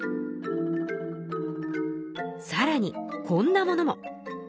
さらにこんなものも。